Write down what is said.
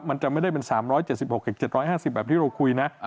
มันจะไม่ได้เป็น๓๗๖๗๕๐แบบที่เราคุยนะ